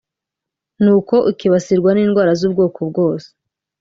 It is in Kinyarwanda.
nuko ukibasirwa n’indwara z’ubwoko bwose